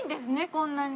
こんなに。